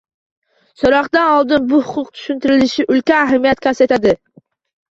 So‘roqdan oldin bu huquq tushuntirilishi ulkan ahamiyat kasb etadi